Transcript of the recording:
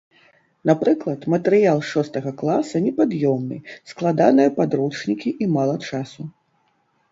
Напрыклад, матэрыял шостага класа непад'ёмны, складаныя падручнікі і мала часу.